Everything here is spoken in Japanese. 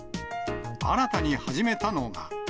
新たに始めたのが。